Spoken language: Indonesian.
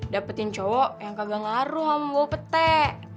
dapetin cowok yang kagak ngaruh sama bau petek